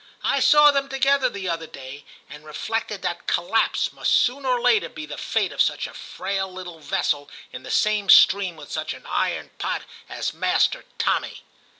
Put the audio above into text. I saw them together the other day, and reflected that collapse must sooner or later be the fate of such a frail little vessel in the same stream with such an iron pot as Master Tommy.'